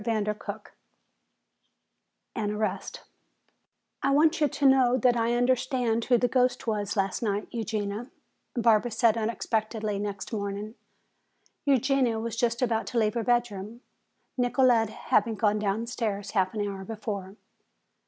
CHAPTER XIII An Arrest "I want you to know that I understand who the ghost was last night, Eugenia," Barbara said unexpectedly next morning. Eugenia was just about to leave her bedroom, Nicolete having gone downstairs half an hour before.